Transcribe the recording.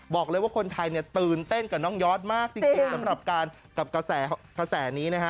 บอกเลยว่าคนไทยตื่นเต้นกับน้องยอดมากสัมผัสกับกระแสนี้